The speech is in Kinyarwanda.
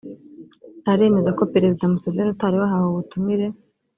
aremeza ko Perezida Museveni utari wahawe ubutumire